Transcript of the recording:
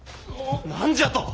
何じゃと！